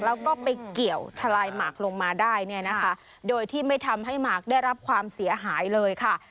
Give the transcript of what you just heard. แล้วก็ไปเกี่ยวทะลายหมากลงมาได้เนี่ยนะคะโดยที่ไม่ทำให้หมากได้รับความเสียหายเลยค่ะ